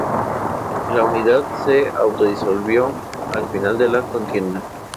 La unidad se autodisolvió al final de la contienda.